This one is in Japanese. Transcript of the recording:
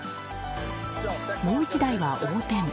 もう１台は横転。